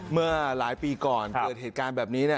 เมื่อหลายปีก่อนเกิดเหตุการณ์แบบนี้